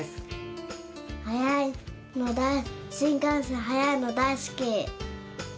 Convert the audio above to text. はやいのしんかんせんはやいのだいすき。